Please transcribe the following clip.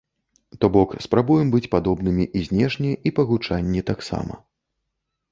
То бок, спрабуем быць падобнымі і знешне і па гучанні таксама.